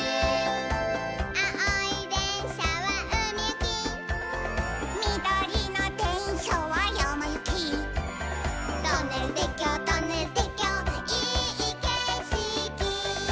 「あおいでんしゃはうみゆき」「みどりのでんしゃはやまゆき」「トンネルてっきょうトンネルてっきょういいけしき」